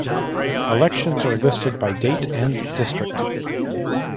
Elections are listed by date and district.